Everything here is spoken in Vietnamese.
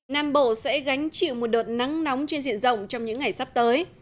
nam bộ sẽ gánh chịu một đợt nắng nóng trên diện rộng trong những ngày sắp tới